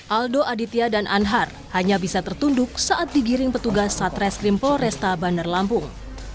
aldo aditya dan anhar hanya bisa tertunduk saat digiring petugas satreskrim polresta bandar lampung